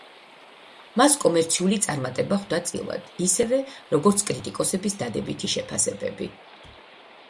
მას კომერციული წარმატება ხვდა წილად, ისევე, როგორც კრიტიკოსების დადებითი შეფასებები.